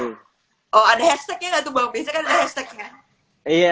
itu bangsa kan ada hashtagnya iya itu ada hashtagnya itu ada hashtagnya itu ada hashtagnya